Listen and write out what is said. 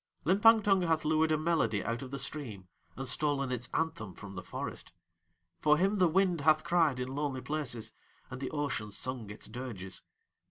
Limpang Tung hath lured a melody out of the stream and stolen its anthem from the forest; for him the wind hath cried in lonely places and the ocean sung its dirges.